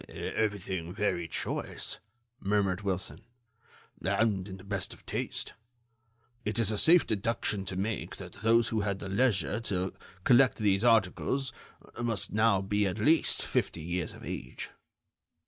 "Everything very choice," murmured Wilson, "and in the best of taste. It is a safe deduction to make that those who had the leisure to collect these articles must now be at least fifty years of age."